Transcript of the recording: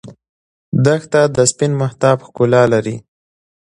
دښته د سپین مهتاب ښکلا لري.